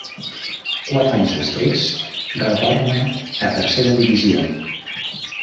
Quatre anys després, retorna a Tercera Divisió.